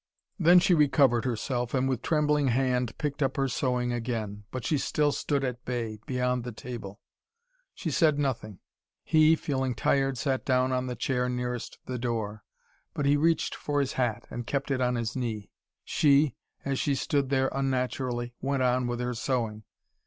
Then she recovered herself, and with trembling hand picked up her sewing again. But she still stood at bay, beyond the table. She said nothing. He, feeling tired, sat down on the chair nearest the door. But he reached for his hat, and kept it on his knee. She, as she stood there unnaturally, went on with her sewing.